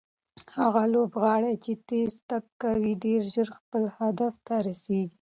هغه لوبغاړی چې تېز تګ کوي ډېر ژر خپل هدف ته رسیږي.